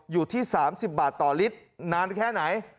อยู่ที่๓๐บาทต่อลิตรนานแค่ไหน